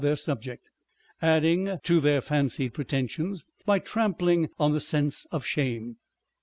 their subject, adding to their fancied pretensions by trampling on the sense of shame.